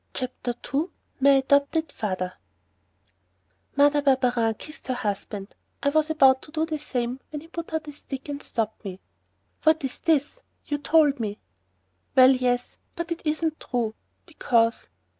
CHAPTER II MY ADOPTED FATHER Mother Barberin kissed her husband; I was about to do the same when he put out his stick and stopped me. "What's this?... you told me...." "Well, yes, but it isn't true ... because...."